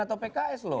atau pks loh